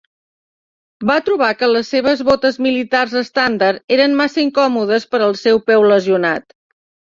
Va trobar que les seves botes militars estàndard eren massa incòmodes per al seu peu lesionat.